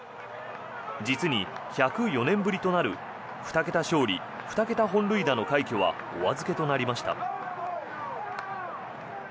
実に１０４年ぶりとなる２桁勝利２桁本塁打の快挙はお預けとなりました。